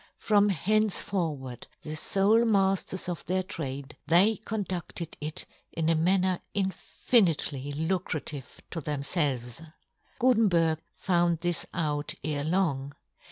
From henceforward the fole mafters of their trade, they conducted it in a manner infinitely lucrative to themf elves. Gutenberg found this out ere long.